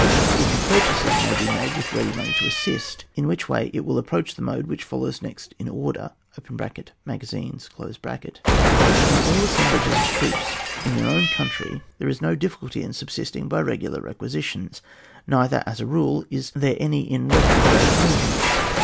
Even purchases may be made with ready money to assist, in which way it will approach the mode which follows next in order (Magazines). In all as semblages of troops in their own coun try there is no difficulty in subsisting by regular requisitions; neither, as a rule, is there any in retrograde move ments.